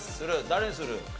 誰にする？